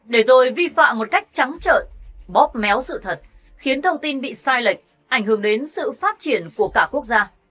để rồi vi phạm một cách trắng trợi bóp méo sự thật khiến thông tin bị sai lệch ảnh hưởng đến sự phát triển của cả quốc gia